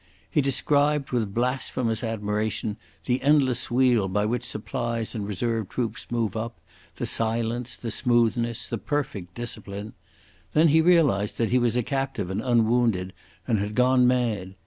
He described with blasphemous admiration the endless wheel by which supplies and reserve troops move up, the silence, the smoothness, the perfect discipline. Then he had realised that he was a captive and unwounded, and had gone mad.